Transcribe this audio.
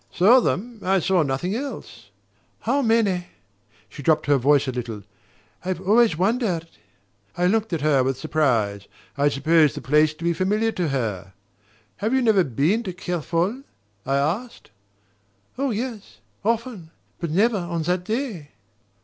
"Saw them? I saw nothing else!" "How many?" She dropped her voice a little. "I've always wondered " I looked at her with surprise: I had supposed the place to be familiar to her. "Have you never been to Kerfol?" I asked. "Oh, yes: often. But never on that day."